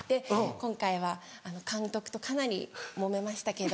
「今回は監督とかなりもめましたけど」。